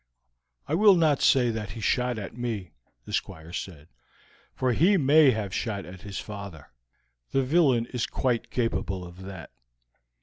"I will not say that he shot at me," the Squire said, "for he may have shot at his father; the villain is quite capable of that.